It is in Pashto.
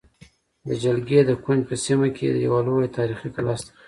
د جلگې د کونج په سیمه کې یوه لویه تاریخې کلا شته